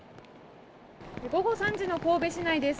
午後３時の神戸市内です。